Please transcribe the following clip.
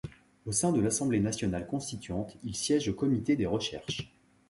Au sein de l'Assemblée nationale constituante, il siège au Comité des recherches.